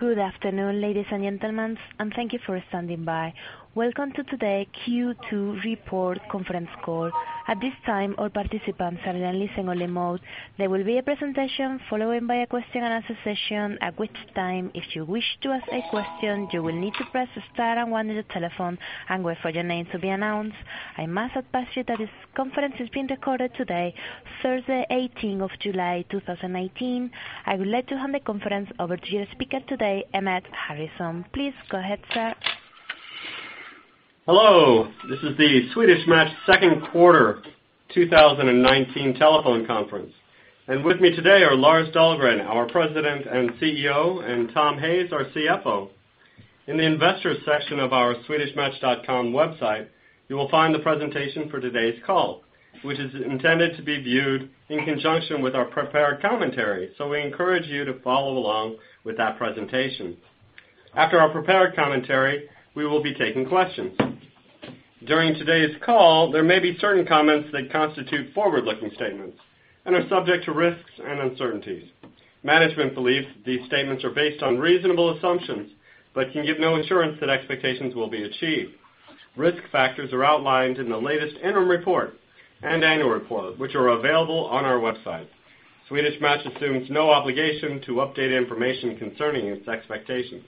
Good afternoon, ladies and gentlemen. Thank you for standing by. Welcome to today Q2 report conference call. At this time, all participants are in listen-only mode. There will be a presentation following by a question and answer session, at which time, if you wish to ask a question, you will need to press star and one on your telephone and wait for your name to be announced. I must advise you that this conference is being recorded today, Thursday, 18th of July, 2019. I would like to hand the conference over to your speaker today, Emmett Harrison. Please go ahead, sir. Hello, this is the Swedish Match second quarter 2019 telephone conference. With me today are Lars Dahlgren, our President and CEO, and Tom Hayes, our CFO. In the investor section of our swedishmatch.com website, you will find the presentation for today's call, which is intended to be viewed in conjunction with our prepared commentary. We encourage you to follow along with that presentation. After our prepared commentary, we will be taking questions. During today's call, there may be certain comments that constitute forward-looking statements and are subject to risks and uncertainties. Management believes that these statements are based on reasonable assumptions, but can give no assurance that expectations will be achieved. Risk factors are outlined in the latest interim report and annual report, which are available on our website. Swedish Match assumes no obligation to update information concerning its expectations.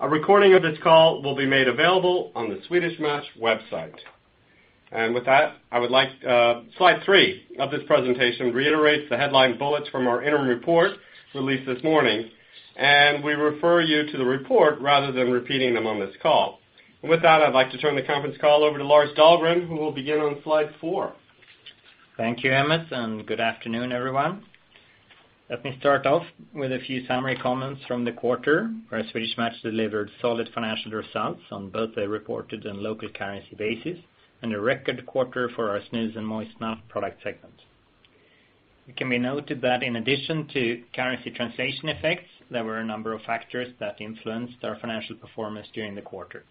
A recording of this call will be made available on the Swedish Match website. Slide three of this presentation reiterates the headline bullets from our interim report released this morning. We refer you to the report rather than repeating them on this call. With that, I'd like to turn the conference call over to Lars Dahlgren, who will begin on slide four. Thank you, Emmett. Good afternoon, everyone. Let me start off with a few summary comments from the quarter, where Swedish Match delivered solid financial results on both a reported and local currency basis, and a record quarter for our snus and moist snuff product segment. It can be noted that, in addition to currency translation effects, there were a number of factors that influenced our financial performance during the quarter.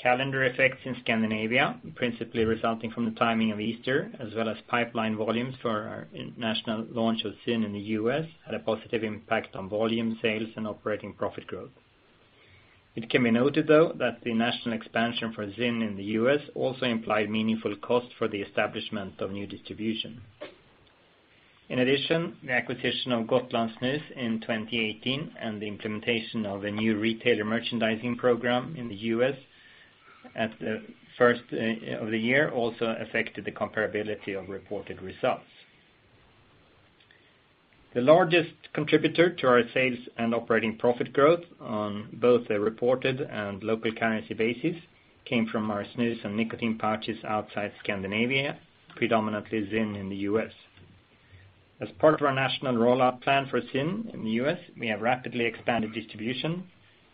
Calendar effects in Scandinavia, principally resulting from the timing of Easter, as well as pipeline volumes for our national launch of ZYN in the U.S., had a positive impact on volume sales and operating profit growth. It can be noted, though, that the national expansion for ZYN in the U.S. also implied meaningful cost for the establishment of new distribution. In addition, the acquisition of Gotlandssnus in 2018 and the implementation of a new retailer merchandising program in the U.S. at the first of the year also affected the comparability of reported results. The largest contributor to our sales and operating profit growth on both the reported and local currency basis came from our snus and nicotine pouches outside Scandinavia, predominantly ZYN in the U.S. As part of our national rollout plan for ZYN in the U.S., we have rapidly expanded distribution,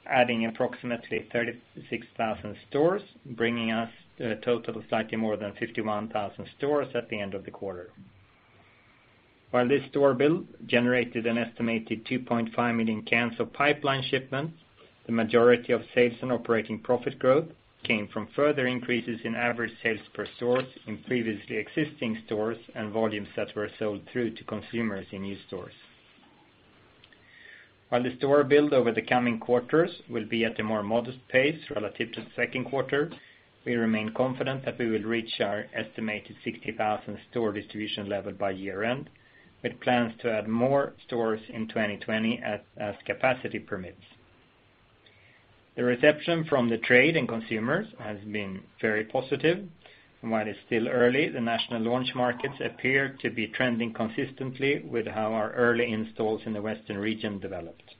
adding approximately 36,000 stores, bringing us to a total of slightly more than 51,000 stores at the end of the quarter. While this store build generated an estimated 2.5 million cans of pipeline shipments, the majority of sales and operating profit growth came from further increases in average sales per stores in previously existing stores and volumes that were sold through to consumers in these stores. While the store build over the coming quarters will be at a more modest pace relative to the second quarter, we remain confident that we will reach our estimated 60,000 store distribution level by year-end, with plans to add more stores in 2020 as capacity permits. The reception from the trade and consumers has been very positive, and while it is still early, the national launch markets appear to be trending consistently with how our early installs in the Western region developed.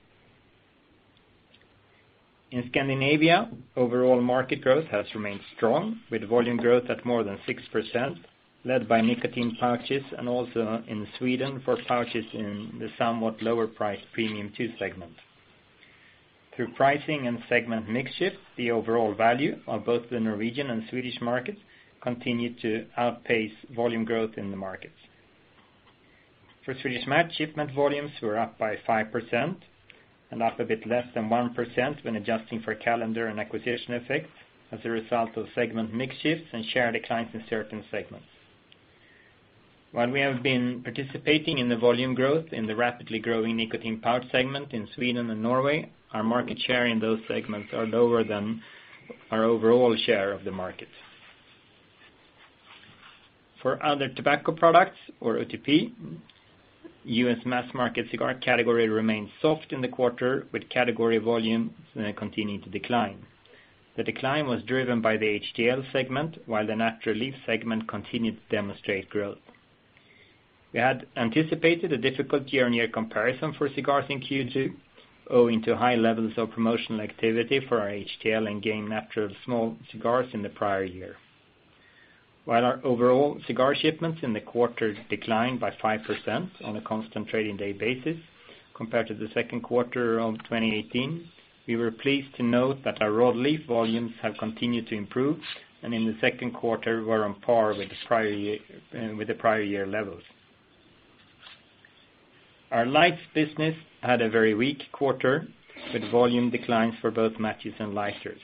In Scandinavia, overall market growth has remained strong, with volume growth at more than 6%, led by nicotine pouches, and also in Sweden for pouches in the somewhat lower-priced Premium 2 segment. Through pricing and segment mix shift, the overall value of both the Norwegian and Swedish markets continued to outpace volume growth in the markets. For Swedish Match, shipment volumes were up by 5%, and up a bit less than 1% when adjusting for calendar and acquisition effects as a result of segment mix shifts and share declines in certain segments. While we have been participating in the volume growth in the rapidly growing nicotine pouch segment in Sweden and Norway, our market share in those segments are lower than our overall share of the market. For other tobacco products or OTP, U.S. mass market cigar category remained soft in the quarter, with category volumes continuing to decline. The decline was driven by the HTL segment, while the natural leaf segment continued to demonstrate growth. We had anticipated a difficult year-on-year comparison for cigars in Q2 owing to high levels of promotional activity for our HTL and Game natural small cigars in the prior year. While our overall cigar shipments in the quarter declined by 5% on a constant trading day basis compared to the second quarter of 2018, we were pleased to note that our raw leaf volumes have continued to improve, and in the second quarter, we're on par with the prior year levels. Our lights business had a very weak quarter, with volume declines for both matches and lighters.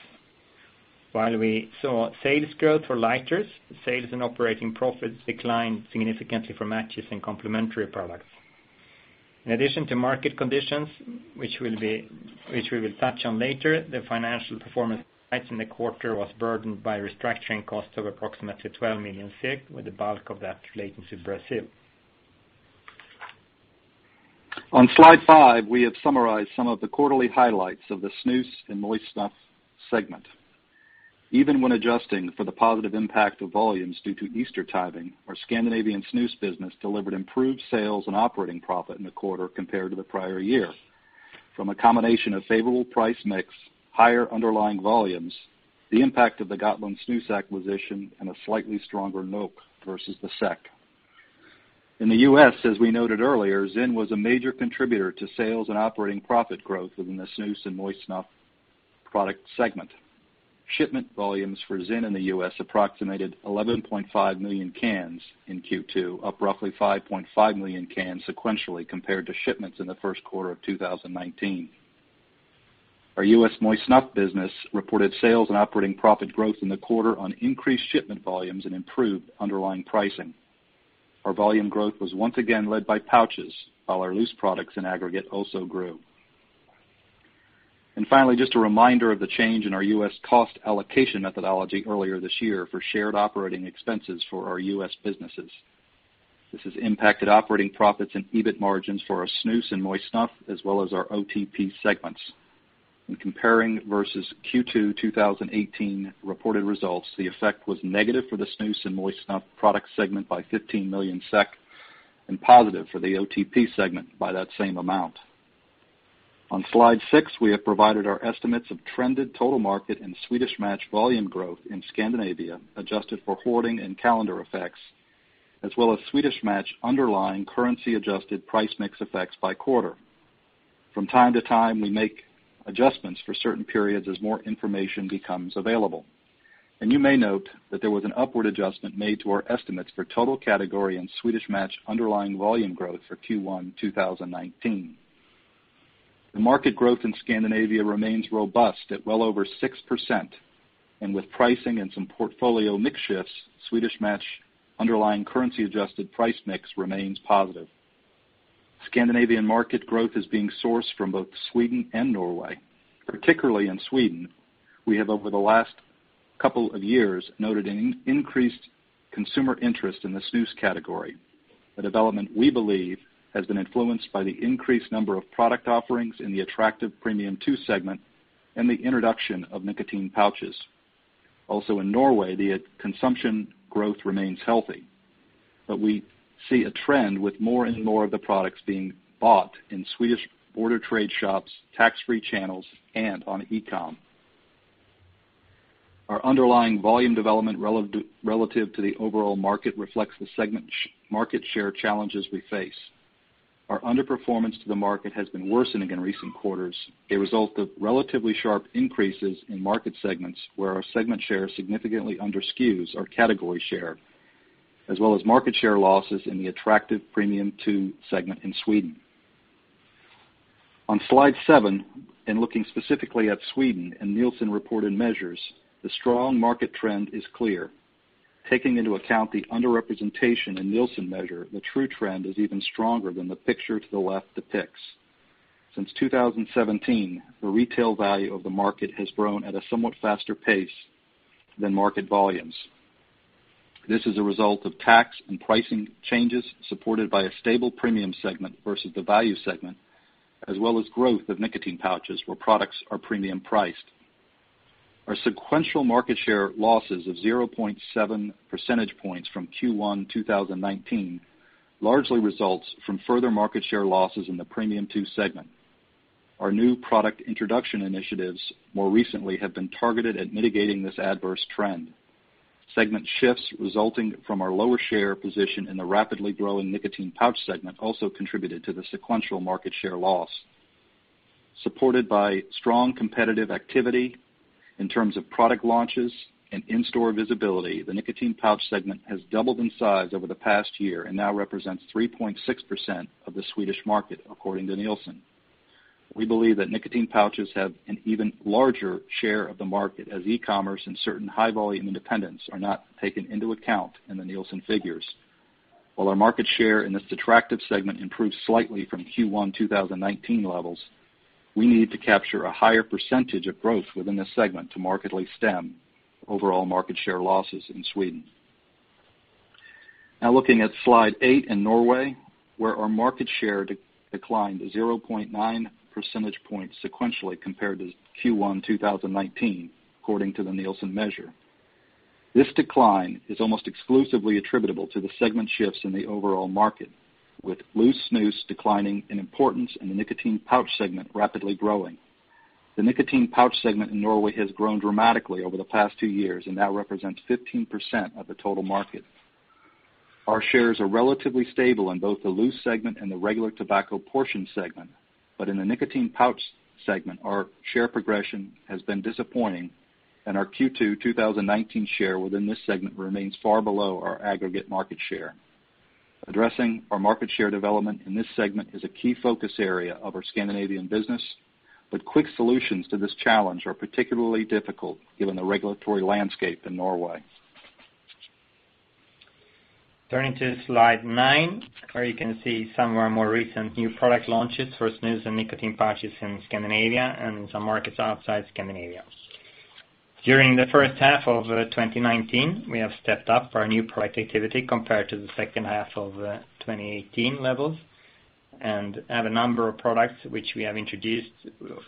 While we saw sales growth for lighters, sales and operating profits declined significantly for matches and complementary products. In addition to market conditions, which we will touch on later, the financial performance in the quarter was burdened by restructuring costs of approximately 12 million, with the bulk of that relating to Brazil. On slide five, we have summarized some of the quarterly highlights of the snus and moist snuff segment. Even when adjusting for the positive impact of volumes due to Easter timing, our Scandinavian snus business delivered improved sales and operating profit in the quarter compared to the prior year. From a combination of favorable price mix, higher underlying volumes, the impact of the Gotlandssnus acquisition, and a slightly stronger NOK versus the SEK. In the U.S., as we noted earlier, ZYN was a major contributor to sales and operating profit growth within the snus and moist snuff product segment. Shipment volumes for ZYN in the U.S. approximated 11.5 million cans in Q2, up roughly 5.5 million cans sequentially compared to shipments in the first quarter of 2019. Our U.S. moist snuff business reported sales and operating profit growth in the quarter on increased shipment volumes and improved underlying pricing. Our volume growth was once again led by pouches, while our loose products and aggregate also grew Finally, just a reminder of the change in our U.S. cost allocation methodology earlier this year for shared operating expenses for our U.S. businesses. This has impacted operating profits and EBIT margins for our snus and moist snuff, as well as our OTP segments. In comparing versus Q2 2018 reported results, the effect was negative for the snus and moist snuff product segment by 15 million SEK, and positive for the OTP segment by that same amount. On slide six, we have provided our estimates of trended total market and Swedish Match volume growth in Scandinavia, adjusted for hoarding and calendar effects, as well as Swedish Match underlying currency-adjusted price mix effects by quarter. From time to time, we make adjustments for certain periods as more information becomes available. You may note that there was an upward adjustment made to our estimates for total category and Swedish Match underlying volume growth for Q1 2019. The market growth in Scandinavia remains robust at well over 6%, and with pricing and some portfolio mix shifts, Swedish Match underlying currency-adjusted price mix remains positive. Scandinavian market growth is being sourced from both Sweden and Norway. Particularly in Sweden, we have over the last couple of years noted an increased consumer interest in the snus category, a development we believe has been influenced by the increased number of product offerings in the attractive Premium 2 segment and the introduction of nicotine pouches. We see a trend with more and more of the products being bought in Swedish border trade shops, tax-free channels, and on e-comm. Our underlying volume development relative to the overall market reflects the segment market share challenges we face. Our underperformance to the market has been worsening in recent quarters, a result of relatively sharp increases in market segments where our segment share significantly underskews our category share, as well as market share losses in the attractive Premium 2 segment in Sweden. On slide seven, looking specifically at Sweden and Nielsen reported measures, the strong market trend is clear. Taking into account the underrepresentation in Nielsen measure, the true trend is even stronger than the picture to the left depicts. Since 2017, the retail value of the market has grown at a somewhat faster pace than market volumes. This is a result of tax and pricing changes supported by a stable premium segment versus the value segment, as well as growth of nicotine pouches, where products are premium priced. Our sequential market share losses of 0.7 percentage points from Q1 2019 largely results from further market share losses in the Premium 2 segment. Our new product introduction initiatives, more recently, have been targeted at mitigating this adverse trend. Segment shifts resulting from our lower share position in the rapidly growing nicotine pouch segment also contributed to the sequential market share loss. Supported by strong competitive activity in terms of product launches and in-store visibility, the nicotine pouch segment has doubled in size over the past year and now represents 3.6% of the Swedish market, according to Nielsen. We believe that nicotine pouches have an even larger share of the market as e-commerce and certain high-volume independents are not taken into account in the Nielsen figures. While our market share in this attractive segment improved slightly from Q1 2019 levels, we need to capture a higher percentage of growth within this segment to markedly stem overall market share losses in Sweden. Looking at slide eight in Norway, where our market share declined to 0.9 percentage points sequentially compared to Q1 2019, according to the Nielsen measure. This decline is almost exclusively attributable to the segment shifts in the overall market, with loose snus declining in importance and the nicotine pouch segment rapidly growing. The nicotine pouch segment in Norway has grown dramatically over the past two years and now represents 15% of the total market. Our shares are relatively stable in both the loose segment and the regular tobacco portion segment. In the nicotine pouch segment, our share progression has been disappointing, and our Q2 2019 share within this segment remains far below our aggregate market share. Addressing our market share development in this segment is a key focus area of our Scandinavian business, but quick solutions to this challenge are particularly difficult given the regulatory landscape in Norway. Turning to slide nine, where you can see some of our more recent new product launches for snus and nicotine pouches in Scandinavia and some markets outside Scandinavia. During the first half of 2019, we have stepped up our new product activity compared to the second half of 2018 levels and have a number of products which we have introduced,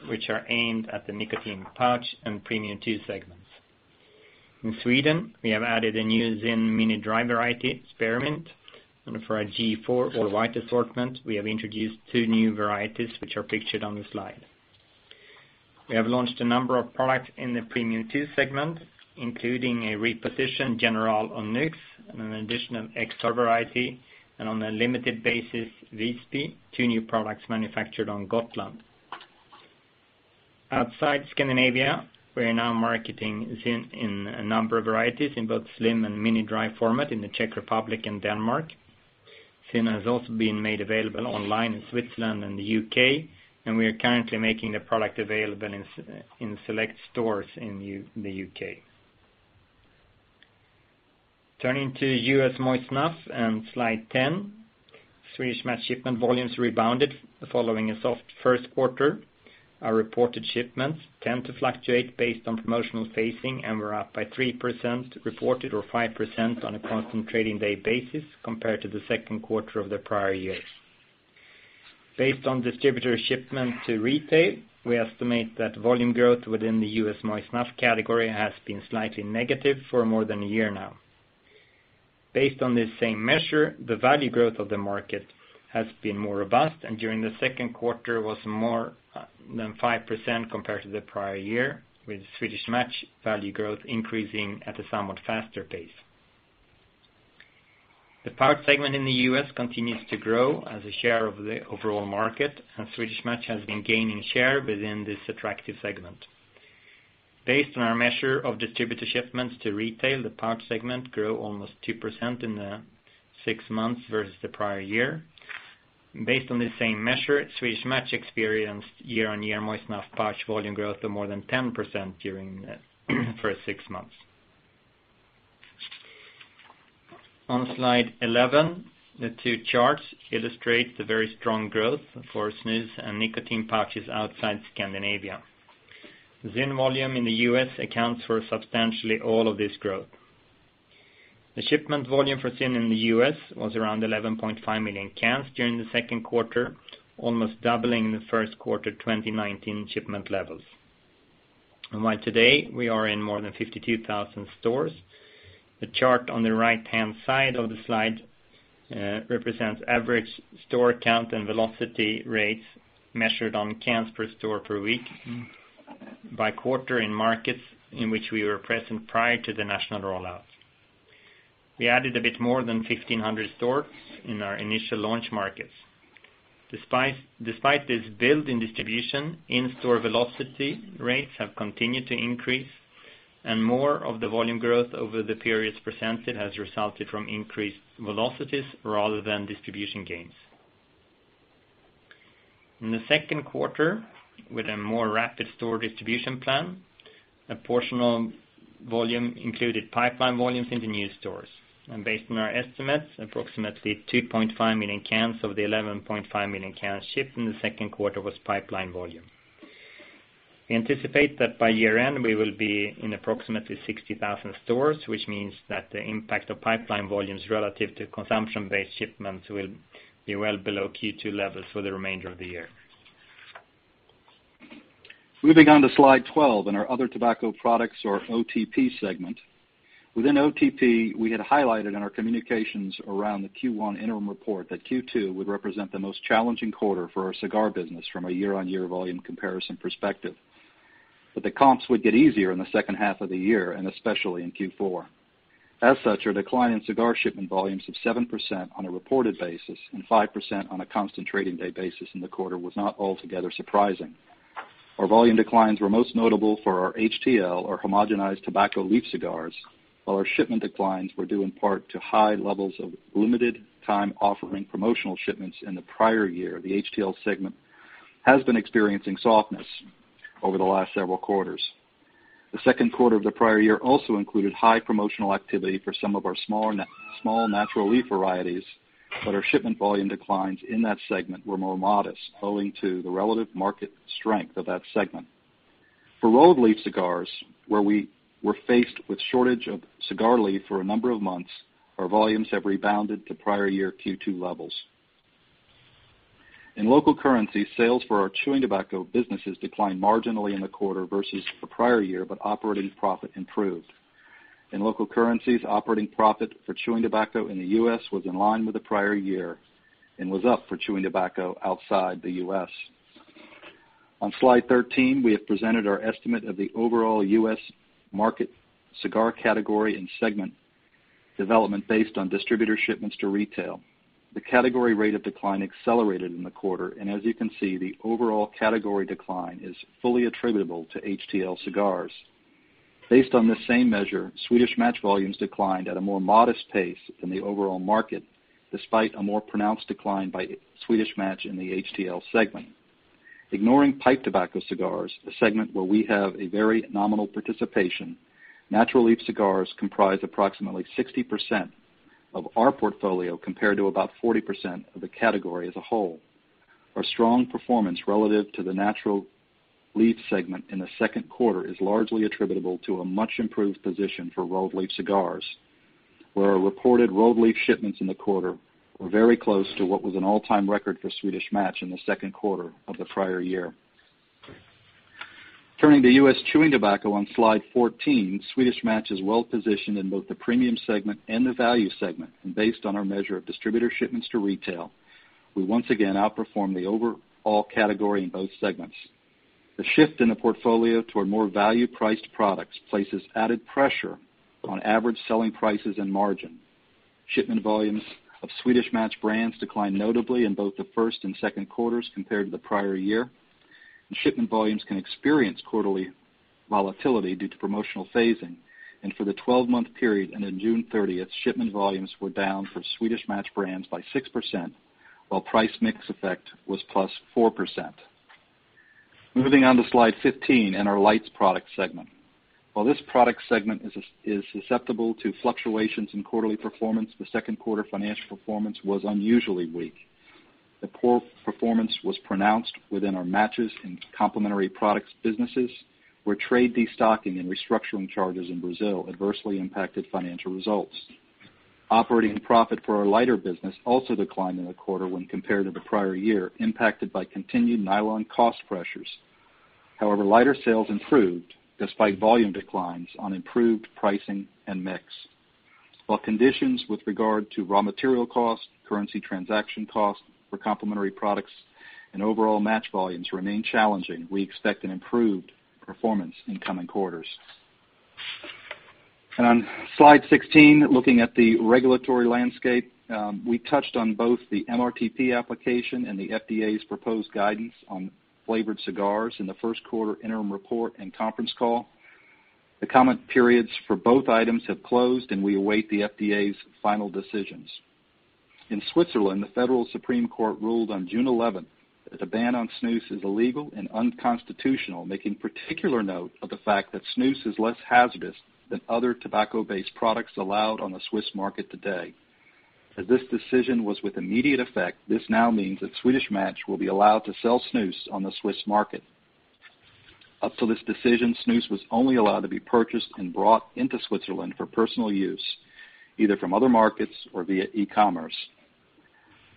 which are aimed at the nicotine pouch and Premium 2 segments. In Sweden, we have added a new ZYN mini dry variety, Spearmint. For our G.4 All White assortment, we have introduced two new varieties, which are pictured on the slide. We have launched a number of products in the Premium 2 segment, including a repositioned General Onyx and an additional Xtra variety, and on a limited basis, Wisby, two new products manufactured on Gotland. Outside Scandinavia, we are now marketing ZYN in a number of varieties in both slim and mini dry format in the Czech Republic and Denmark. ZYN has also been made available online in Switzerland and the U.K., and we are currently making the product available in select stores in the U.K. Turning to U.S. moist snuff and slide 10. Swedish Match shipment volumes rebounded following a soft first quarter. Our reported shipments tend to fluctuate based on promotional phasing and were up by 3% reported or 5% on a constant trading day basis compared to the second quarter of the prior year. Based on distributor shipment to retail, we estimate that volume growth within the U.S. moist snuff category has been slightly negative for more than a year now. Based on this same measure, the value growth of the market has been more robust, and during the second quarter was more than 5% compared to the prior year, with Swedish Match value growth increasing at a somewhat faster pace. The pouch segment in the U.S. continues to grow as a share of the overall market, and Swedish Match has been gaining share within this attractive segment. Based on our measure of distributor shipments to retail, the pouch segment grew almost 2% in the six months versus the prior year. Based on this same measure, Swedish Match experienced year-on-year moist snuff pouch volume growth of more than 10% during the first six months. On slide 11, the two charts illustrate the very strong growth for snus and nicotine pouches outside Scandinavia. ZYN volume in the U.S. accounts for substantially all of this growth. The shipment volume for ZYN in the U.S. was around 11.5 million cans during the second quarter, almost doubling the first quarter 2019 shipment levels. By today, we are in more than 52,000 stores. The chart on the right-hand side of the slide represents average store count and velocity rates measured on cans per store per week by quarter in markets in which we were present prior to the national rollout. We added a bit more than 1,500 stores in our initial launch markets. Despite this build-in distribution, in-store velocity rates have continued to increase, and more of the volume growth over the periods presented has resulted from increased velocities rather than distribution gains. In the second quarter, with a more rapid store distribution plan, a portion of volume included pipeline volumes into new stores. Based on our estimates, approximately 2.5 million cans of the 11.5 million cans shipped in the second quarter was pipeline volume. We anticipate that by year-end, we will be in approximately 60,000 stores, which means that the impact of pipeline volumes relative to consumption-based shipments will be well below Q2 levels for the remainder of the year. Moving on to slide 12 and our Other Tobacco Products or OTP segment. Within OTP, we had highlighted in our communications around the Q1 interim report that Q2 would represent the most challenging quarter for our cigar business from a year-on-year volume comparison perspective. The comps would get easier in the second half of the year and especially in Q4. As such, our decline in cigar shipment volumes of 7% on a reported basis and 5% on a constant trading day basis in the quarter was not altogether surprising. Our volume declines were most notable for our HTL or homogenized tobacco leaf cigars. While our shipment declines were due in part to high levels of limited-time offering promotional shipments in the prior year, the HTL segment has been experiencing softness over the last several quarters. The second quarter of the prior year also included high promotional activity for some of our small natural leaf varieties. Our shipment volume declines in that segment were more modest, owing to the relative market strength of that segment. For rolled leaf cigars, where we were faced with shortage of cigar leaf for a number of months, our volumes have rebounded to prior year Q2 levels. In local currency, sales for our chewing tobacco businesses declined marginally in the quarter versus the prior year, but operating profit improved. In local currencies, operating profit for chewing tobacco in the U.S. was in line with the prior year and was up for chewing tobacco outside the U.S. On slide 13, we have presented our estimate of the overall U.S. market cigar category and segment development based on distributor shipments to retail. The category rate of decline accelerated in the quarter. As you can see, the overall category decline is fully attributable to HTL cigars. Based on this same measure, Swedish Match volumes declined at a more modest pace than the overall market, despite a more pronounced decline by Swedish Match in the HTL segment. Ignoring pipe tobacco cigars, a segment where we have a very nominal participation, natural leaf cigars comprise approximately 60% of our portfolio, compared to about 40% of the category as a whole. Our strong performance relative to the natural leaf segment in the second quarter is largely attributable to a much-improved position for rolled leaf cigars, where our reported rolled leaf shipments in the quarter were very close to what was an all-time record for Swedish Match in the second quarter of the prior year. Turning to U.S. chewing tobacco on slide 14, Swedish Match is well-positioned in both the premium segment and the value segment. Based on our measure of distributor shipments to retail, we once again outperformed the overall category in both segments. The shift in the portfolio toward more value-priced products places added pressure on average selling prices and margin. Shipment volumes of Swedish Match brands declined notably in both the first and second quarters compared to the prior year. Shipment volumes can experience quarterly volatility due to promotional phasing. For the 12-month period ending June 30th, shipment volumes were down for Swedish Match brands by 6%, while price mix effect was +4%. Moving on to slide 15 and our lights product segment. While this product segment is susceptible to fluctuations in quarterly performance, the second quarter financial performance was unusually weak. The poor performance was pronounced within our matches and complementary products businesses, where trade destocking and restructuring charges in Brazil adversely impacted financial results. Operating profit for our lighter business also declined in the quarter when compared to the prior year, impacted by continued nylon cost pressures. However, lighter sales improved despite volume declines on improved pricing and mix. While conditions with regard to raw material costs, currency transaction costs for complementary products, and overall match volumes remain challenging, we expect an improved performance in coming quarters. On slide 16, looking at the regulatory landscape, we touched on both the MRTP application and the FDA's proposed guidance on flavored cigars in the first quarter interim report and conference call. The comment periods for both items have closed, and we await the FDA's final decisions. In Switzerland, the Federal Supreme Court ruled on June 11th that the ban on snus is illegal and unconstitutional, making particular note of the fact that snus is less hazardous than other tobacco-based products allowed on the Swiss market today. As this decision was with immediate effect, this now means that Swedish Match will be allowed to sell snus on the Swiss market. Up till this decision, snus was only allowed to be purchased and brought into Switzerland for personal use, either from other markets or via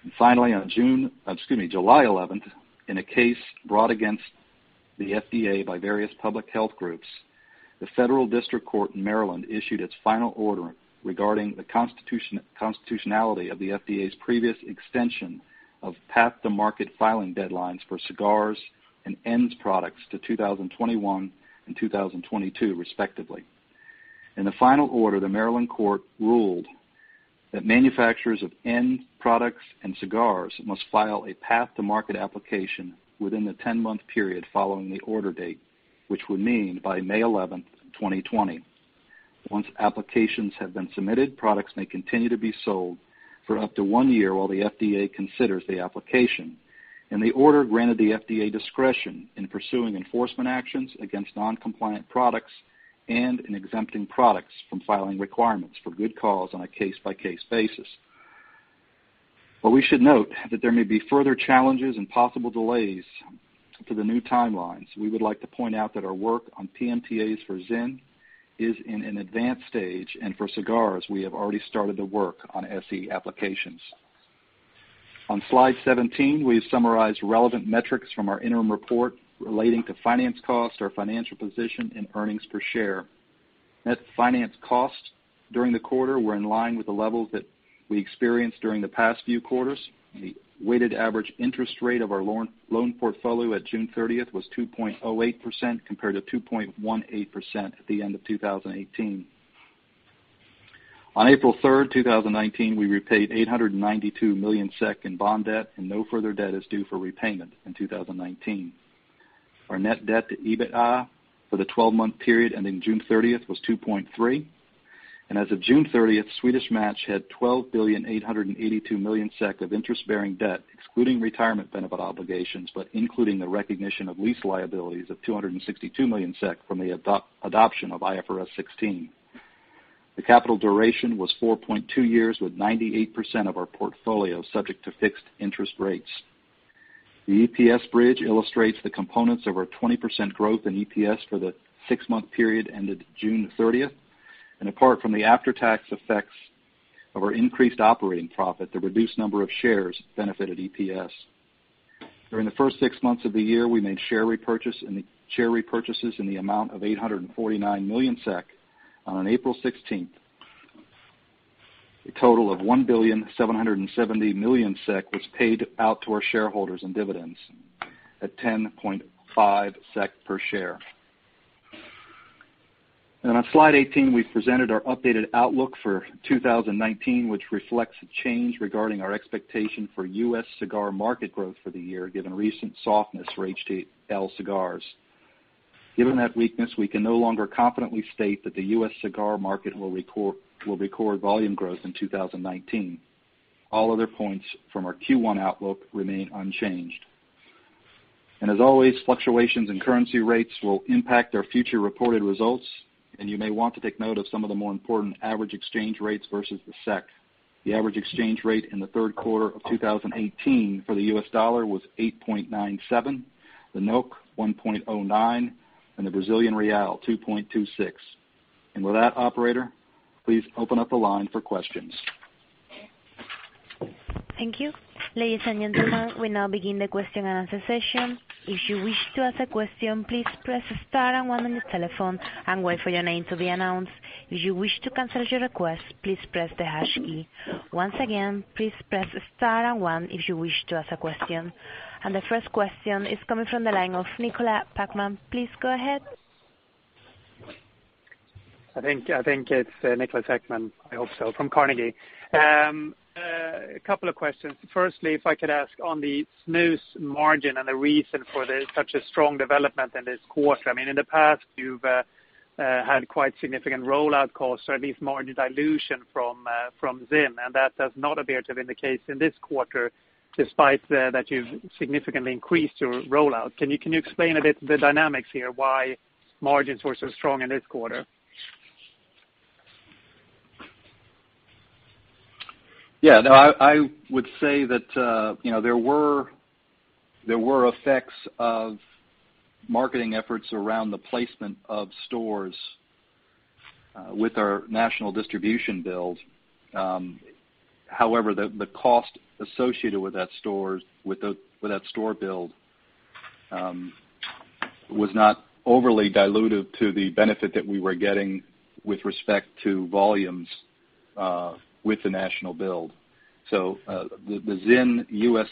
e-commerce. Finally, on July 11th, in a case brought against the FDA by various public health groups, the Federal District Court in Maryland issued its final order regarding the constitutionality of the FDA's previous extension of path-to-market filing deadlines for cigars and ENDS products to 2021 and 2022, respectively. In the final order, the Maryland court ruled that manufacturers of ENDS products and cigars must file a path-to-market application within the 10-month period following the order date, which would mean by May 11th, 2020. Once applications have been submitted, products may continue to be sold for up to one year while the FDA considers the application. The order granted the FDA discretion in pursuing enforcement actions against non-compliant products and in exempting products from filing requirements for good cause on a case-by-case basis. While we should note that there may be further challenges and possible delays to the new timelines, we would like to point out that our work on PMTAs for ZYN is in an advanced stage, and for cigars, we have already started the work on SE applications. On slide 17, we've summarized relevant metrics from our interim report relating to finance cost, our financial position, and earnings per share. Net finance costs during the quarter were in line with the levels that we experienced during the past few quarters. The weighted average interest rate of our loan portfolio at June 30th was 2.08%, compared to 2.18% at the end of 2018. On April 3rd, 2019, we repaid 892 million SEK in bond debt, and no further debt is due for repayment in 2019. Our net debt to EBITDA for the 12-month period ending June 30th was 2.3, and as of June 30th, Swedish Match had 12,882,000,000 SEK of interest-bearing debt, excluding retirement benefit obligations, but including the recognition of lease liabilities of 262 million SEK from the adoption of IFRS 16. The capital duration was 4.2 years, with 98% of our portfolio subject to fixed interest rates. The EPS bridge illustrates the components of our 20% growth in EPS for the six-month period ended June 30th. Apart from the after-tax effects of our increased operating profit, the reduced number of shares benefited EPS. During the first six months of the year, we made share repurchases in the amount of 849 million SEK. On April 16th, a total of 1.77 billion was paid out to our shareholders in dividends at 10.5 SEK per share. On slide 18, we've presented our updated outlook for 2019, which reflects a change regarding our expectation for U.S. cigar market growth for the year, given recent softness for HTL cigars. Given that weakness, we can no longer confidently state that the U.S. cigar market will record volume growth in 2019. All other points from our Q1 outlook remain unchanged. As always, fluctuations in currency rates will impact our future reported results.. You may want to take note of some of the more important average exchange rates versus the SEK. The average exchange rate in the third quarter of 2018 for the U.S. dollar was 8.97, the 1.09, and the Brazilian real 2.26. With that, operator, please open up the line for questions. Thank you. Ladies and gentlemen, we now begin the question and answer session. If you wish to ask a question, please press star and one on your telephone and wait for your name to be announced. If you wish to cancel your request, please press the hash key. Once again, please press star and one if you wish to ask a question. The first question is coming from the line of Niklas Ekman. Please go ahead. I think it's Niklas Ekman. I hope so, from Carnegie. A couple of questions. Firstly, if I could ask on the snus margin and the reason for such a strong development in this quarter. In the past, you've had quite significant rollout costs or at least margin dilution from ZYN, that does not appear to have been the case in this quarter, despite that you've significantly increased your rollout. Can you explain a bit the dynamics here, why margins were so strong in this quarter? I would say that there were effects of marketing efforts around the placement of stores with our national distribution build. However, the cost associated with that store build was not overly dilutive to the benefit that we were getting with respect to volumes with the national build. The ZYN U.S.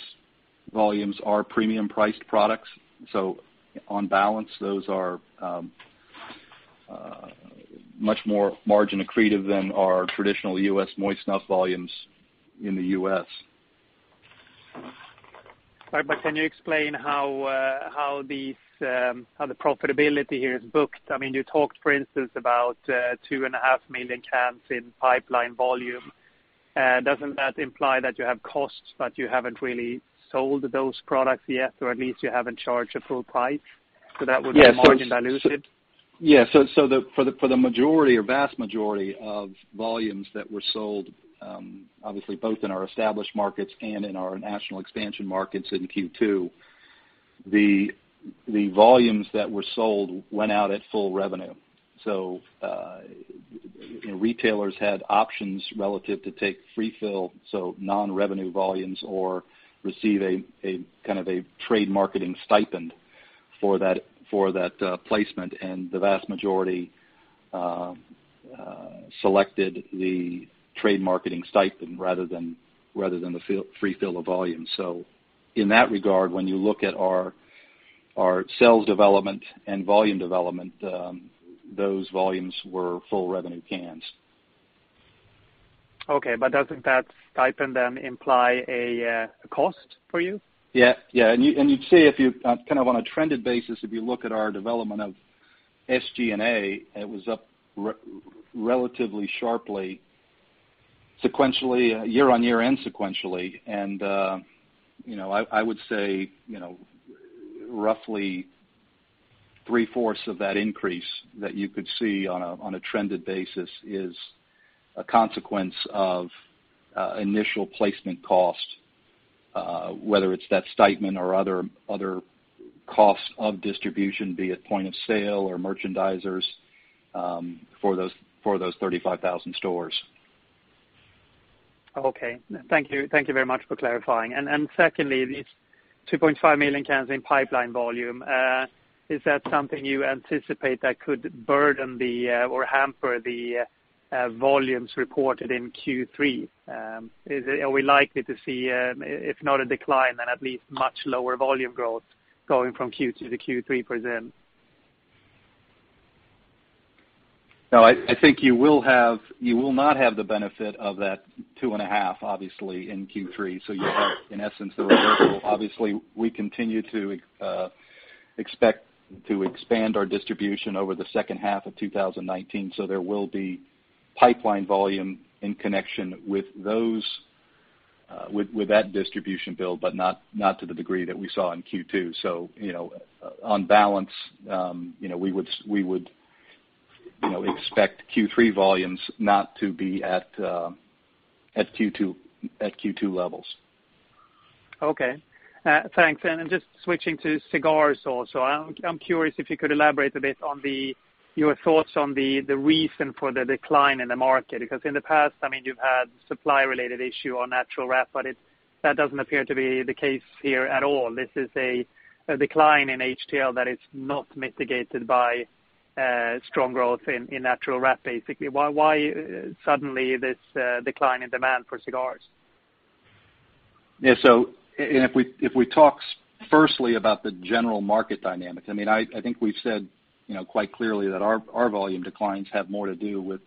volumes are premium-priced products. On balance, those are much more margin accretive than our traditional U.S. moist snuff volumes in the U.S. Can you explain how the profitability here is booked? I mean, you talked, for instance, about 2.5 million cans in pipeline volume. Doesn't that imply that you have costs, but you haven't really sold those products yet, or at least you haven't charged a full price? That would be margin dilutive? For the majority or vast majority of volumes that were sold, obviously, both in our established markets and in our national expansion markets in Q2, the volumes that were sold went out at full revenue. Retailers had options relative to take free fill, non-revenue volumes or receive a kind of a trade marketing stipend for that placement, and the vast majority selected the trade marketing stipend rather than the free fill of volume. In that regard, when you look at our sales development and volume development, those volumes were full revenue cans. Doesn't that stipend imply a cost for you? Yeah. You'd see if you, kind of on a trended basis, if you look at our development of SG&A, it was up relatively sharply year-over-year and sequentially. I would say, roughly three-fourths of that increase that you could see on a trended basis is a consequence of initial placement cost, whether it's that stipend or other costs of distribution, be it point of sale or merchandisers, for those 35,000 stores. Okay. Thank you very much for clarifying. Secondly, these 2.5 million cans in pipeline volume. Is that something you anticipate that could burden or hamper the volumes reported in Q3? Are we likely to see, if not a decline, then at least much lower volume growth going from Q2 to Q3 for ZYN? No, I think you will not have the benefit of that 2.5, obviously, in Q3. You'll have, in essence, the reversal. Obviously, we continue to expect to expand our distribution over the second half of 2019. There will be pipeline volume in connection with that distribution build, but not to the degree that we saw in Q2. On balance, we would expect Q3 volumes not to be at Q2 levels. Okay. Thanks. Just switching to cigars also, I'm curious if you could elaborate a bit on your thoughts on the reason for the decline in the market. Because in the past, I mean, you've had supply-related issue on natural leaf, but that doesn't appear to be the case here at all. This is a decline in HTL that is not mitigated by strong growth in natural leaf, basically. Why suddenly this decline in demand for cigars? Yeah. If we talk firstly about the general market dynamics, I mean, I think we've said quite clearly that our volume declines have more to do with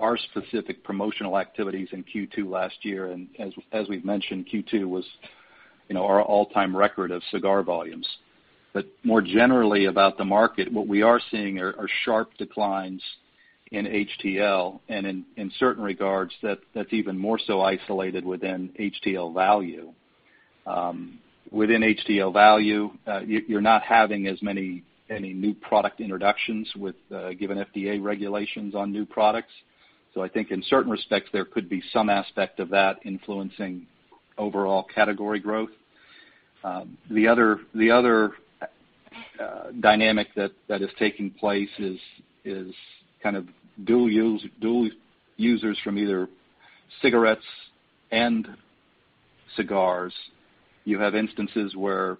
our specific promotional activities in Q2 last year, and as we've mentioned, Q2 was our all-time record of cigar volumes. More generally about the market, what we are seeing are sharp declines in HTL, and in certain regards, that's even more so isolated within HTL value. Within HTL value, you're not having as many new product introductions, given FDA regulations on new products. I think in certain respects, there could be some aspect of that influencing overall category growth. The other dynamic that is taking place is dual users from either cigarettes and cigars. You have instances where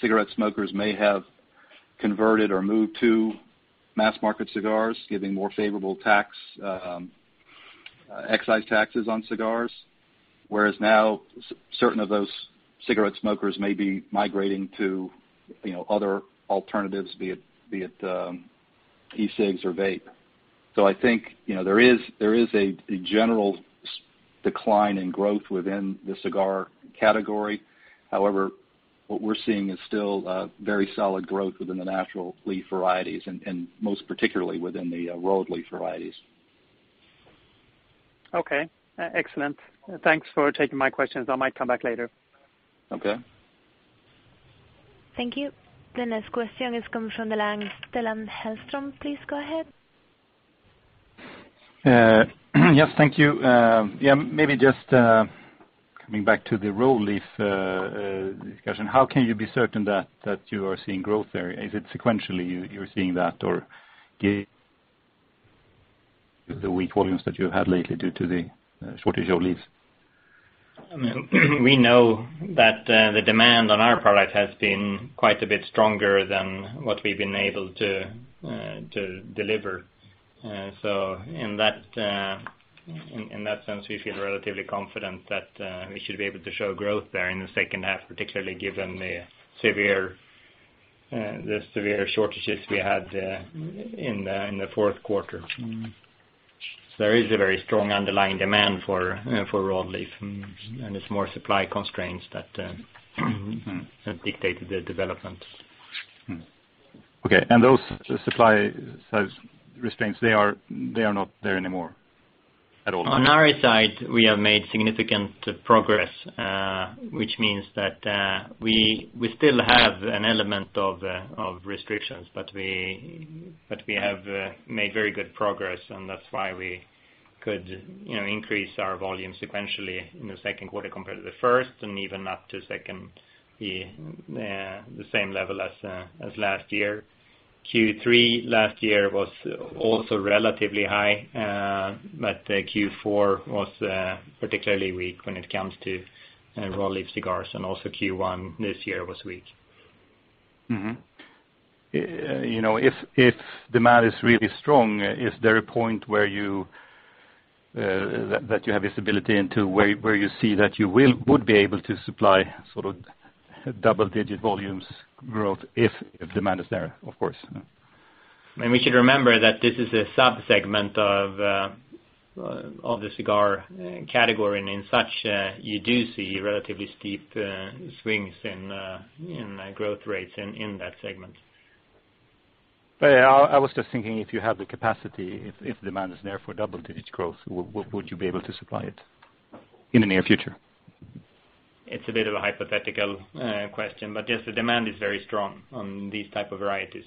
cigarette smokers may have converted or moved to mass-market cigars, given more favorable excise taxes on cigars, whereas now, certain of those cigarette smokers may be migrating to other alternatives, be it e-cigs or vape. I think there is a general decline in growth within the cigar category. However, what we're seeing is still very solid growth within the natural leaf varieties and most particularly within the rolled leaf varieties. Okay, excellent. Thanks for taking my questions. I might come back later. Okay. Thank you. The next question is coming from the line, Stellan Hellström. Please go ahead. Yes, thank you. Maybe just coming back to the rolled leaf discussion, how can you be certain that you're seeing growth there? Is it sequentially you're seeing that, or the weak volumes that you've had lately due to the shortage of leaves? We know that the demand on our product has been quite a bit stronger than what we've been able to deliver. In that sense, we feel relatively confident that we should be able to show growth there in the second half, particularly given the severe shortages we had in the fourth quarter. There is a very strong underlying demand for raw leaf, and it's more supply constraints that dictated the development. Okay. Those supply restraints, they are not there anymore at all? On our side, we have made significant progress, which means that we still have an element of restrictions, but we have made very good progress, and that's why we could increase our volume sequentially in the second quarter compared to the first, and even up to the same level as last year. Q3 last year was also relatively high. Q4 was particularly weak when it comes to rolled leaf cigars, and also Q1 this year was weak. If demand is really strong, is there a point where you have visibility into where you see that you would be able to supply double-digit volumes growth if demand is there, of course? We should remember that this is a sub-segment of the cigar category, and in such, you do see relatively steep swings in growth rates in that segment. I was just thinking, if you have the capacity, if demand is there for double-digit growth, would you be able to supply it in the near future? It's a bit of a hypothetical question, but yes, the demand is very strong on these type of varieties.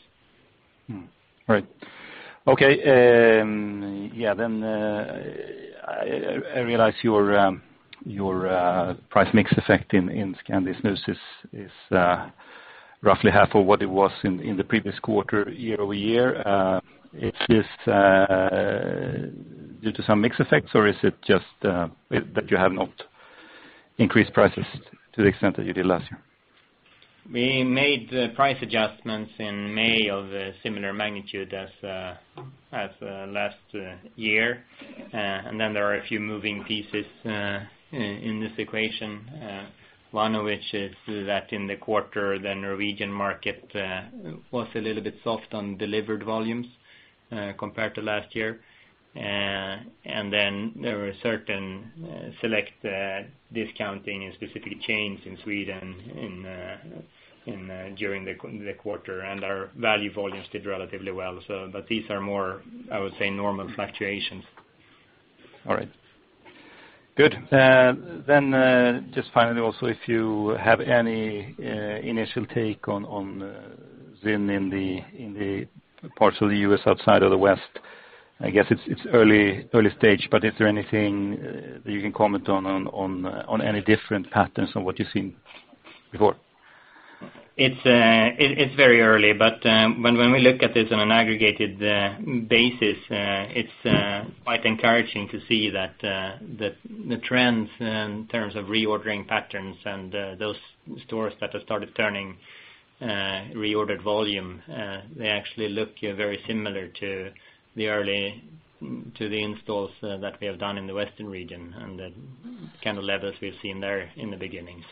Right. Okay. I realize your price mix effect in Scandi snus is roughly half of what it was in the previous quarter, year-over-year. Is it just due to some mix effects or is it just that you have not increased prices to the extent that you did last year? We made the price adjustments in May of a similar magnitude as last year. There are a few moving pieces in this equation. One of which is that in the quarter, the Norwegian market was a little bit soft on delivered volumes compared to last year. There were certain select discounting in specific chains in Sweden during the quarter, and our value volumes did relatively well. These are more, I would say, normal fluctuations. All right. Good. Just finally, also, if you have any initial take on ZYN in the parts of the U.S. outside of the West. I guess it's early stage, but is there anything that you can comment on, any different patterns from what you've seen before? It's very early, but when we look at this on an aggregated basis, it's quite encouraging to see that the trends in terms of reordering patterns and those stores that have started turning reordered volume, they actually look very similar to the installs that we have done in the Western region and the kind of levels we've seen there in the beginning.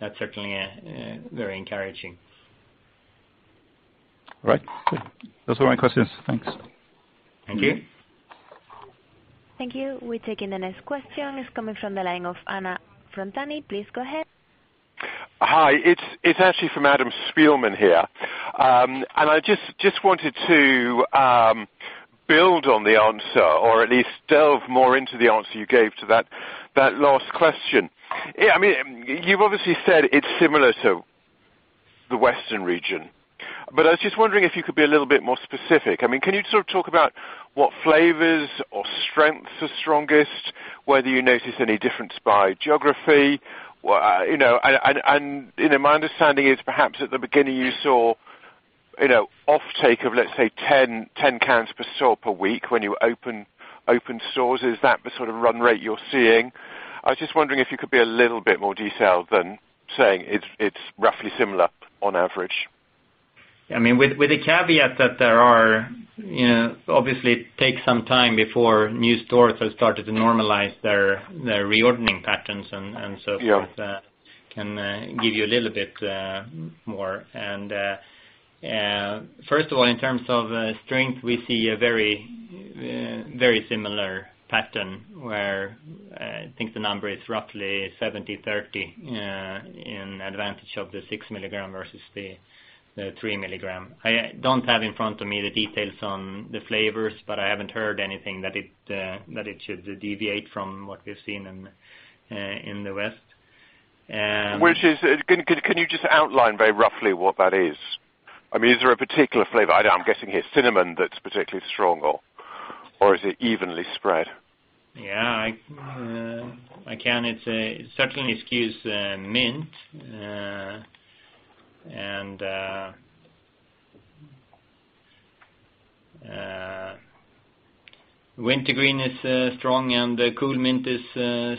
That's certainly very encouraging. All right. Good. Those are my questions. Thanks. Thank you. Thank you. We're taking the next question. It's coming from the line of Anna Frontani. Please go ahead. Hi. It's actually from Adam Spielman here. I just wanted to build on the answer, or at least delve more into the answer you gave to that last question. You've obviously said it's similar to the Western region, but I was just wondering if you could be a little bit more specific. Can you talk about what flavors or strengths are strongest, whether you notice any difference by geography? My understanding is perhaps at the beginning you saw off take of, let's say, 10 cans per store per week when you open stores. Is that the sort of run rate you're seeing? I was just wondering if you could be a little bit more detailed than saying it's roughly similar on average. With the caveat that there are, obviously, it takes some time before new stores have started to normalize their reordering patterns and so forth. Yeah I can give you a little bit more. First of all, in terms of strength, we see a very similar pattern where I think the number is roughly 70/30 in advantage of the six milligram versus the three milligram. I don't have in front of me the details on the flavors, but I haven't heard anything that it should deviate from what we've seen in the West. Can you just outline very roughly what that is? Is there a particular flavor? I'm guessing here, cinnamon that's particularly strong, or is it evenly spread? Yeah. I can. It's certainly Spearmint, and Wintergreen is strong, and the Cool Mint is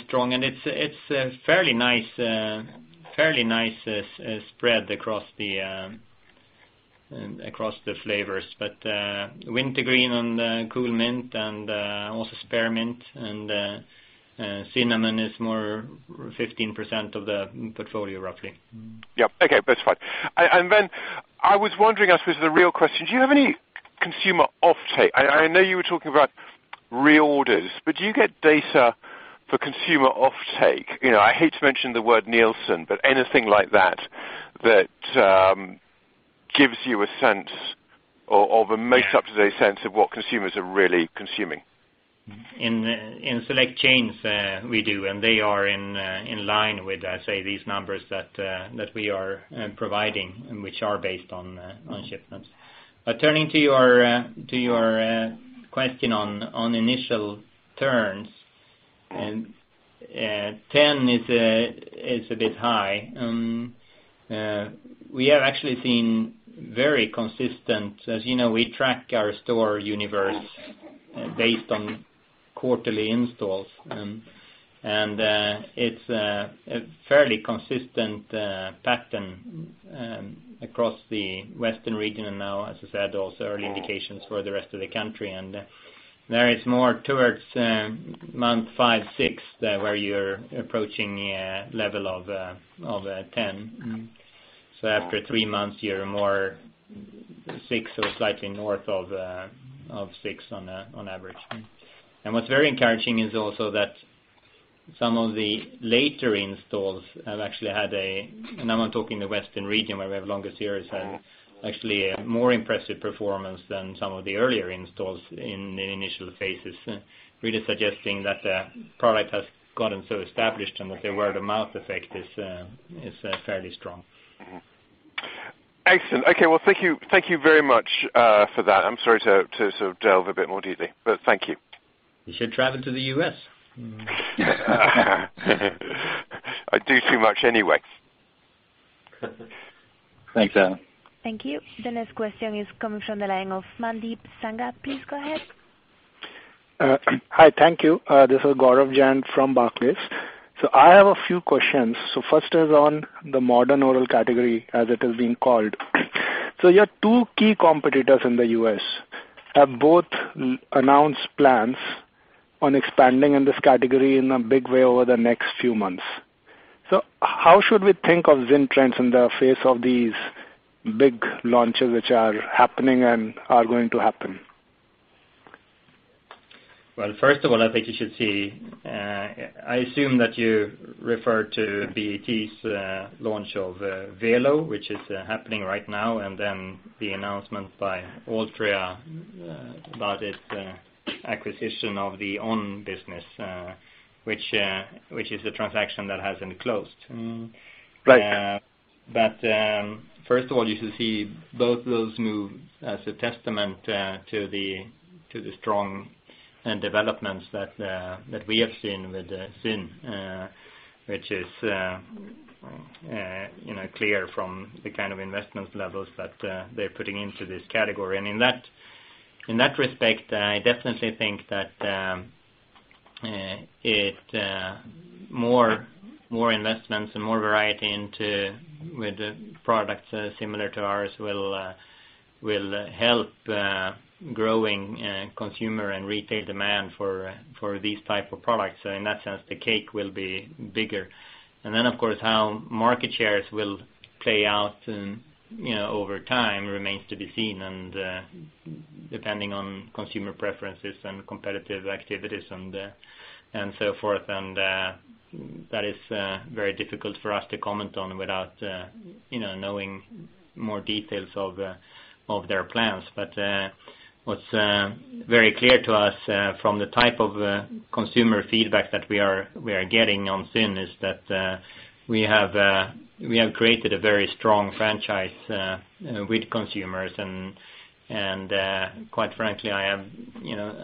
strong, and it's fairly nice spread across the flavors. Wintergreen and Cool Mint, and also Spearmint and cinnamon is more 15% of the portfolio, roughly. Okay, that's fine. Then I was wondering, I suppose the real question, do you have any consumer offtake? I know you were talking about reorders, but do you get data for consumer offtake? I hate to mention the word Nielsen, but anything like that gives you a sense of a more up-to-date sense of what consumers are really consuming. In select chains, we do. They are in line with, say, these numbers that we are providing and which are based on shipments. Turning to your question on initial turns, 10 is a bit high. We have actually seen very consistent. As you know, we track our store universe based on quarterly installs. It's a fairly consistent pattern across the Western region, and now, as I said, also early indications for the rest of the country. There is more towards month five, six, where you're approaching a level of 10. So after three months, you're more six or slightly north of six on average. What's very encouraging is also that some of the later installs have actually had a, now I'm talking the Western region, where we have longer series and actually a more impressive performance than some of the earlier installs in the initial phases, really suggesting that the product has gotten so established and that the word of mouth effect is fairly strong. Excellent. Okay. Well, thank you very much for that. I'm sorry to delve a bit more deeply. Thank you. You should travel to the U.S. I do too much anyway. Thanks, Adam. Thank you. The next question is coming from the line of Mandeep Sangha. Please go ahead. Hi. Thank you. This is Gaurav Jain from Barclays. I have a few questions. First is on the modern oral category, as it is being called. You have two key competitors in the U.S. have both announced plans on expanding in this category in a big way over the next few months. How should we think of ZYN trends in the face of these big launches, which are happening and are going to happen? Well, first of all, I think you should see. I assume that you refer to BAT's launch of Velo, which is happening right now, and then the announcement by Altria about its acquisition of the on! business which is a transaction that hasn't closed. Right. First of all, you should see both those moves as a testament to the strong developments that we have seen with ZYN, which is clear from the kind of investment levels that they're putting into this category. In that respect, I definitely think that more investments and more variety with the products similar to ours will help growing consumer and retail demand for these type of products. In that sense, the cake will be bigger. Of course, how market shares will play out over time remains to be seen, and depending on consumer preferences and competitive activities and so forth, and that is very difficult for us to comment on without knowing more details of their plans. What's very clear to us from the type of consumer feedback that we are getting on ZYN is that we have created a very strong franchise with consumers, and quite frankly, I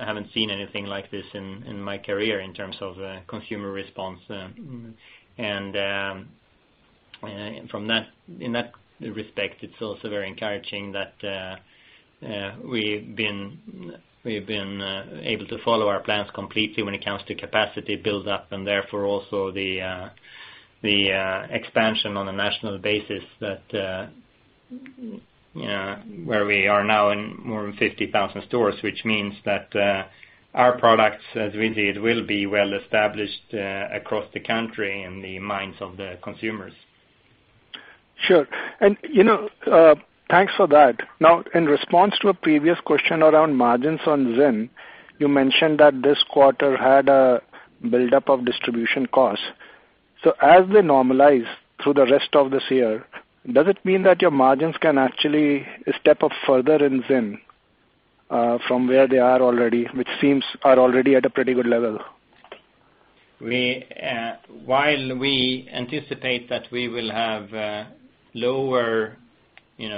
haven't seen anything like this in my career in terms of consumer response. In that respect, it's also very encouraging that we've been able to follow our plans completely when it comes to capacity build-up, and therefore also the expansion on a national basis, where we are now in more than 50,000 stores, which means that our products, as we did, will be well established across the country in the minds of the consumers. Thanks for that. In response to a previous question around margins on ZYN, you mentioned that this quarter had a build-up of distribution costs. As they normalize through the rest of this year, does it mean that your margins can actually step up further in ZYN, from where they are already, which seems are already at a pretty good level? While we anticipate that we will have lower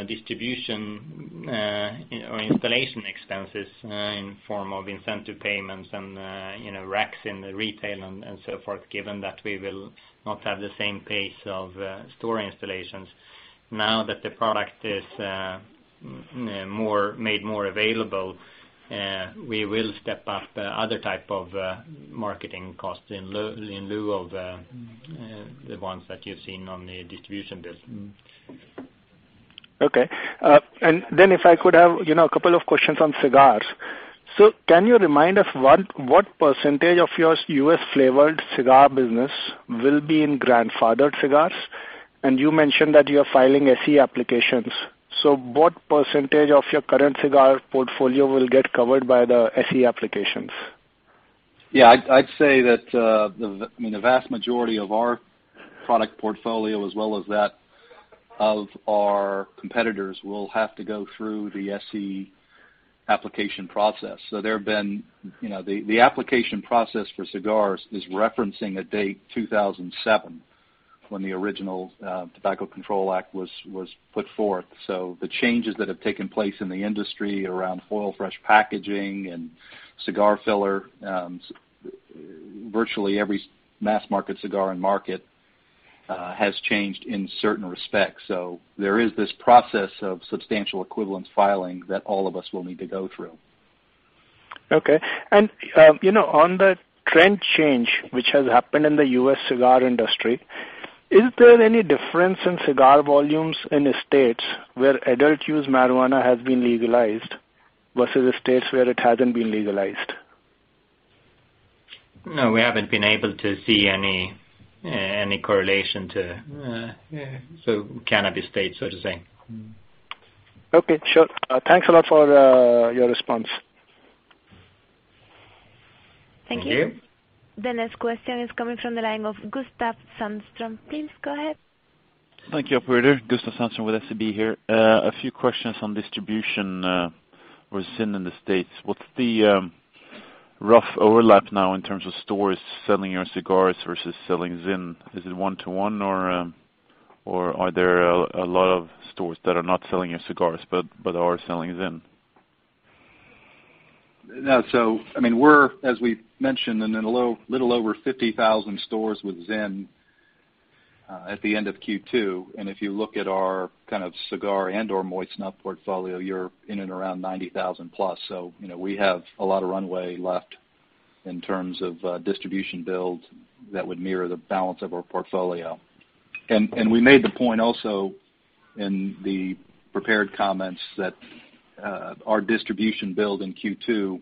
distribution or installation expenses in form of incentive payments and racks in the retail and so forth, given that we will not have the same pace of store installations. That the product is made more available, we will step up other type of marketing costs in lieu of the ones that you've seen on the distribution build. Okay. If I could have a couple of questions on cigars. Can you remind us what percentage of your U.S. flavored cigar business will be in grandfathered cigars? You mentioned that you're filing SE applications. What percentage of your current cigar portfolio will get covered by the SE applications? I'd say that the vast majority of our product portfolio, as well as that of our competitors, will have to go through the SE application process. The application process for cigars is referencing a date 2007, when the original Tobacco Control Act was put forth. The changes that have taken place in the industry around foil fresh packaging and cigar filler, virtually every mass market cigar in market has changed in certain respects. There is this process of substantial equivalence filing that all of us will need to go through. Okay. On the trend change, which has happened in the U.S. cigar industry, is there any difference in cigar volumes in the states where adult use marijuana has been legalized versus the states where it hasn't been legalized? No, we haven't been able to see any correlation to cannabis states, so to say. Okay, sure. Thanks a lot for your response. Thank you. Thank you. The next question is coming from the line of Gustav Sandström. Please go ahead. Thank you, operator. Gustav Sandström with SEB here. A few questions on distribution with ZYN in the States. What's the rough overlap now in terms of stores selling your cigars versus selling ZYN? Is it one-to-one, or are there a lot of stores that are not selling your cigars but are selling ZYN? We're, as we've mentioned, in a little over 50,000 stores with ZYN at the end of Q2. If you look at our cigar and/or moist snuff portfolio, you're in and around 90,000+. We have a lot of runway left in terms of distribution build that would mirror the balance of our portfolio. We made the point also in the prepared comments that our distribution build in Q2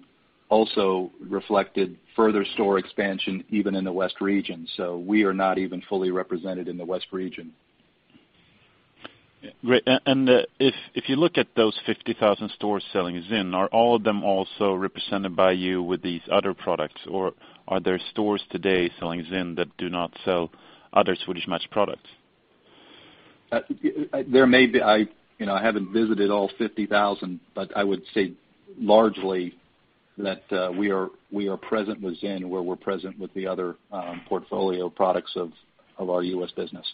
also reflected further store expansion, even in the West region. We are not even fully represented in the West region. Great. If you look at those 50,000 stores selling ZYN, are all of them also represented by you with these other products, or are there stores today selling ZYN that do not sell other Swedish Match products? There may be. I haven't visited all 50,000, but I would say largely that we are present with ZYN where we're present with the other portfolio products of our U.S. business.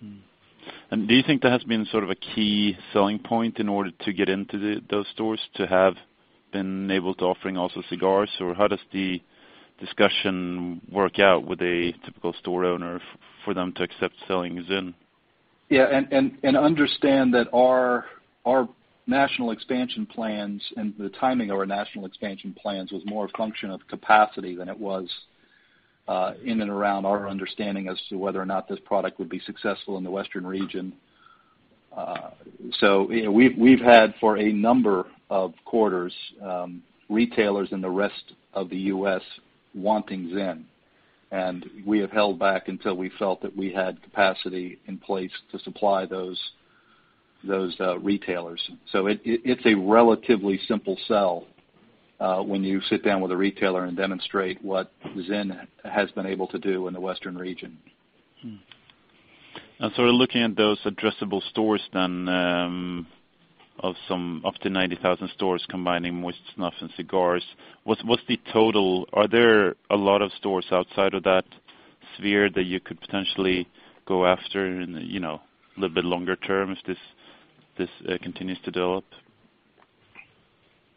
Do you think that has been sort of a key selling point in order to get into those stores to have been able to offering also cigars, or how does the discussion work out with a typical store owner for them to accept selling ZYN? Yeah, understand that our national expansion plans and the timing of our national expansion plans was more a function of capacity than it was in and around our understanding as to whether or not this product would be successful in the Western region. We've had for a number of quarters, retailers in the rest of the U.S. wanting ZYN. We have held back until we felt that we had capacity in place to supply those retailers. It's a relatively simple sell when you sit down with a retailer and demonstrate what ZYN has been able to do in the western region. Looking at those addressable stores then, of some up to 90,000 stores combining moist snuff and cigars, what's the total? Are there a lot of stores outside of that sphere that you could potentially go after in a little bit longer term if this continues to develop?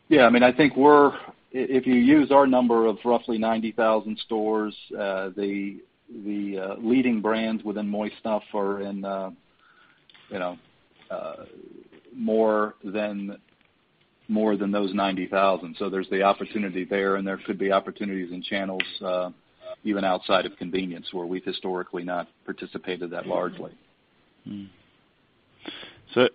Yeah, I think if you use our number of roughly 90,000 stores, the leading brands within moist snuff are in more than those 90,000. There's the opportunity there, and there could be opportunities in channels even outside of convenience, where we've historically not participated that largely.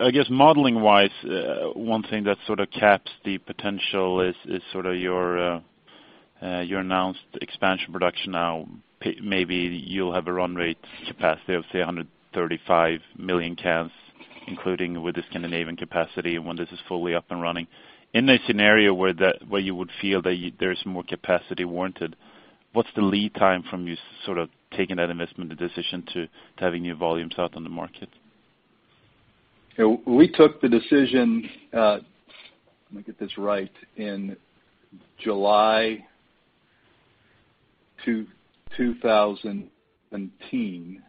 I guess modeling-wise, one thing that sort of caps the potential is your announced expansion production now. Maybe you'll have a run rate capacity of, say, 135 million cans, including with the Scandinavian capacity and when this is fully up and running. In a scenario where you would feel that there's more capacity warranted, what's the lead time from you sort of taking that investment, the decision to having new volumes out on the market? We took the decision, let me get this right, in July 2017,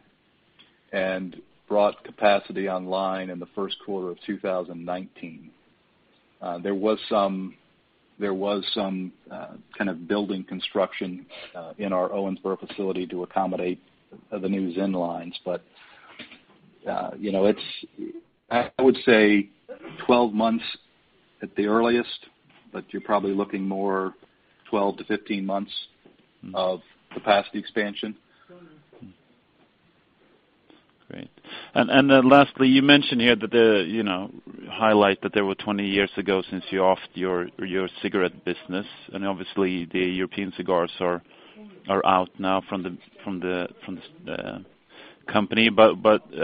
and brought capacity online in the first quarter of 2019. There was some kind of building construction in our Owensboro facility to accommodate the new ZYN lines. I would say 12 months at the earliest, but you're probably looking more 12 to 15 months of capacity expansion. Great. Lastly, you mentioned here that the highlight that there were 20 years ago since you offloaded your cigarette business, and obviously, the European cigars are out now from the company.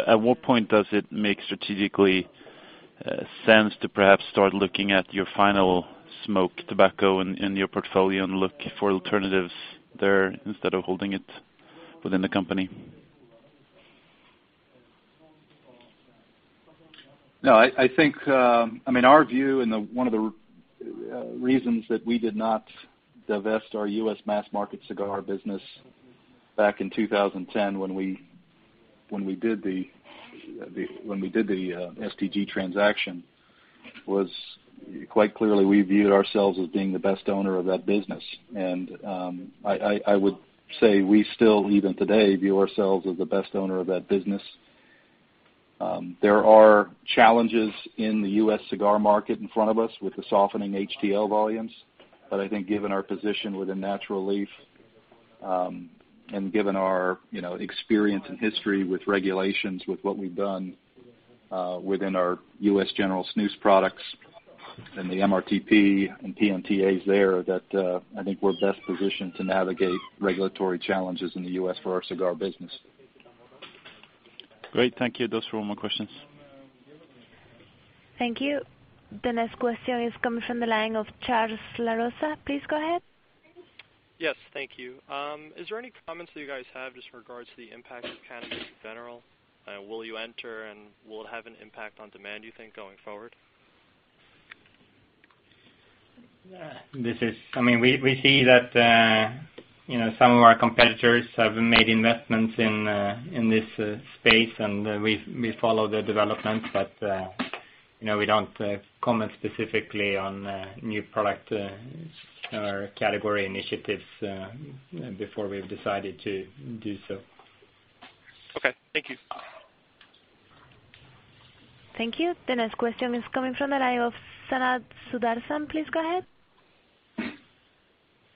At what point does it make strategically sense to perhaps start looking at your final smoke tobacco in your portfolio and look for alternatives there instead of holding it within the company? No, I think our view and one of the reasons that we did not divest our U.S. mass-market cigar business back in 2010 when we did the STG transaction was quite clearly we viewed ourselves as being the best owner of that business. I would say we still, even today, view ourselves as the best owner of that business. There are challenges in the U.S. cigar market in front of us with the softening HTL volumes. I think given our position within Natural Leaf, and given our experience and history with regulations, with what we've done within our U.S. General snus products and the MRTP and PMTAs there, that I think we're best positioned to navigate regulatory challenges in the U.S. for our cigar business. Great. Thank you. Those were all my questions. Thank you. The next question is coming from the line of Charles LaRosa. Please go ahead. Yes. Thank you. Is there any comments that you guys have just in regards to the impact of cannabis in general? Will you enter, and will it have an impact on demand, you think, going forward? We see that some of our competitors have made investments in this space, and we follow the development, but we don't comment specifically on new product or category initiatives before we've decided to do so. Okay. Thank you. Thank you. The next question is coming from the line of Sanath Sudarsan. Please go ahead.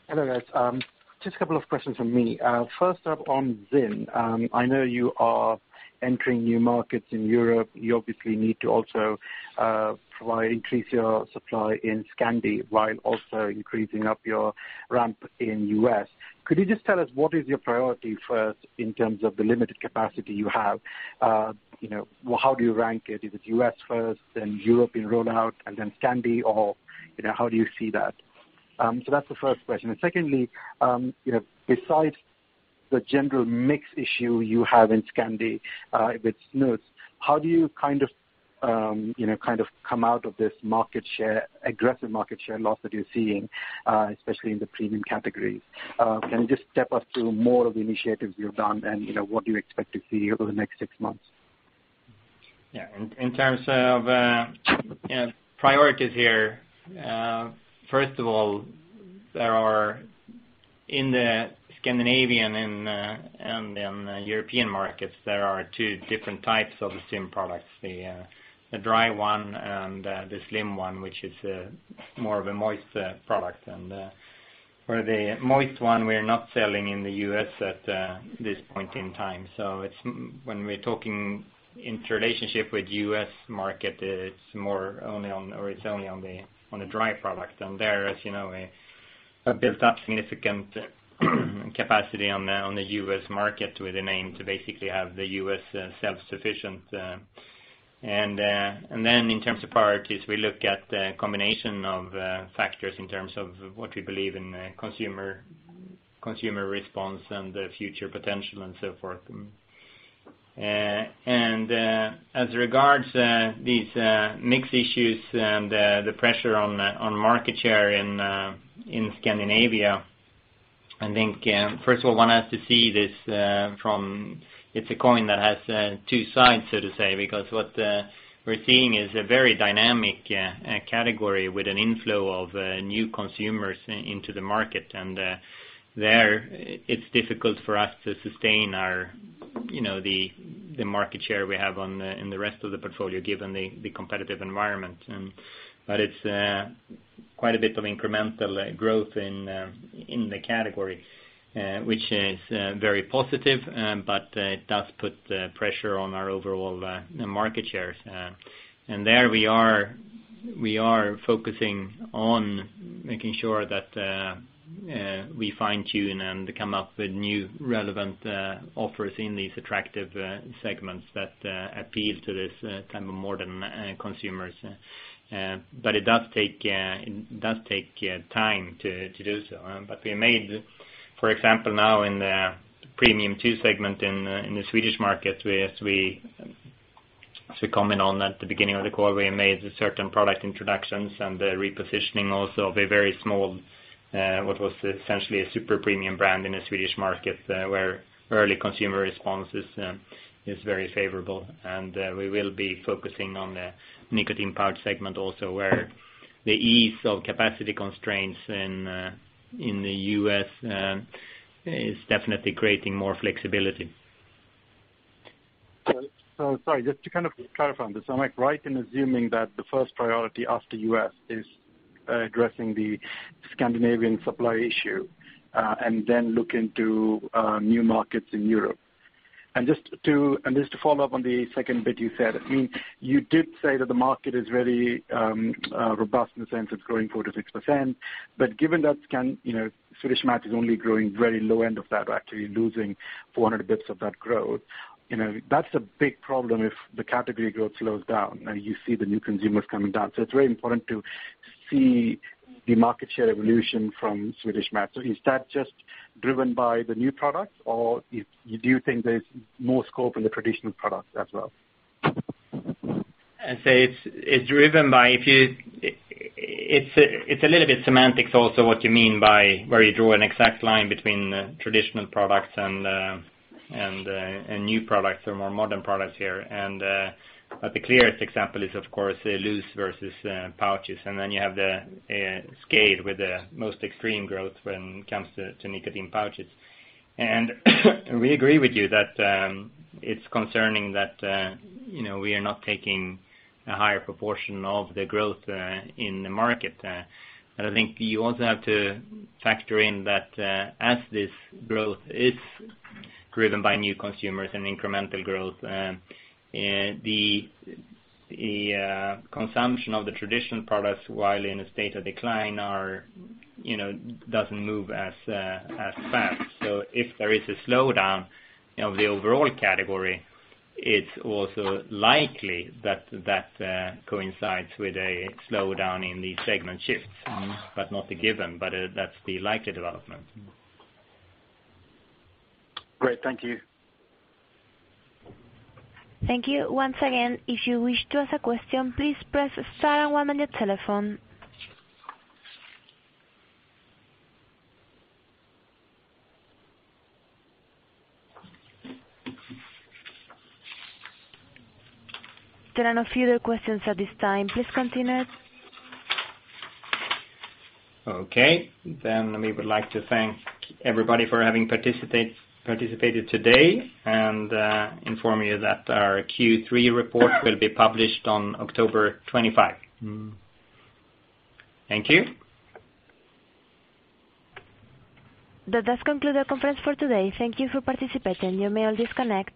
Hello, guys. Just a couple of questions from me. First up on ZYN, I know you are entering new markets in Europe. You obviously need to also increase your supply in Scandi while also increasing up your ramp in U.S. Could you just tell us what is your priority first in terms of the limited capacity you have? How do you rank it? Is it U.S. first, then European rollout, and then Scandi, or how do you see that? That's the first question. Secondly, besides the general mix issue you have in Scandi with snus, how do you come out of this aggressive market share loss that you're seeing, especially in the premium categories? Can you just step us through more of the initiatives you've done and what you expect to see over the next six months? Yeah. In terms of priorities here, first of all, in the Scandinavian and in the European markets, there are two different types of the ZYN products, the dry one and the slim one, which is more of a moist product. For the moist one, we are not selling in the U.S. at this point in time. When we're talking in relationship with U.S. market, it's more only on the dry product. There, as you know, we have built up significant capacity on the U.S. market with an aim to basically have the U.S. self-sufficient. Then in terms of priorities, we look at the combination of factors in terms of what we believe in consumer response and the future potential and so forth. As regards these mix issues and the pressure on market share in Scandinavia, I think, first of all, one has to see this from it's a coin that has two sides, so to say, because what we're seeing is a very dynamic category with an inflow of new consumers into the market. There, it's difficult for us to sustain the market share we have in the rest of the portfolio, given the competitive environment. It's quite a bit of incremental growth in the category, which is very positive, but it does put pressure on our overall market shares. There we are focusing on making sure that we fine-tune and come up with new relevant offers in these attractive segments that appeal to these kind of modern consumers. It does take time to do so. We made, for example, now in the Premium 2 segment in the Swedish market, as we comment on at the beginning of the call, we made certain product introductions and the repositioning also of a very small, what was essentially a super premium brand in the Swedish market, where early consumer response is very favorable. We will be focusing on the nicotine pouch segment also, where the ease of capacity constraints in the U.S. is definitely creating more flexibility. Sorry, just to clarify on this. Am I right in assuming that the first priority after U.S. is addressing the Scandinavian supply issue, and then look into new markets in Europe? Just to follow up on the second bit you said. You did say that the market is very robust in the sense it's growing 4%-6%, but given that Swedish Match is only growing very low end of that, we're actually losing 400 basis points of that growth. That's a big problem if the category growth slows down and you see the new consumers coming down. It's very important to see the market share evolution from Swedish Match. Is that just driven by the new products or do you think there's more scope in the traditional products as well? I'd say it's a little bit semantics, also what you mean by where you draw an exact line between traditional products and new products or more modern products here. The clearest example is, of course, loose versus pouches. Then you have the scale with the most extreme growth when it comes to nicotine pouches. We agree with you that it's concerning that we are not taking a higher proportion of the growth in the market. I think you also have to factor in that, as this growth is driven by new consumers and incremental growth, the consumption of the traditional products, while in a state of decline, doesn't move as fast. If there is a slowdown of the overall category, it's also likely that coincides with a slowdown in the segment shifts. Not a given, but that's the likely development. Great. Thank you. Thank you. Once again, if you wish to ask a question, please press star one on your telephone. There are no further questions at this time. Please continue. We would like to thank everybody for having participated today, and inform you that our Q3 report will be published on October 25. Thank you. That does conclude our conference for today. Thank you for participating. You may all disconnect.